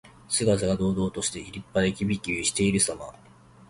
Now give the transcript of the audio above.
姿が堂々として、立派で、きびきびしているさま。